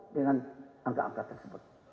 dengan angka angka tersebut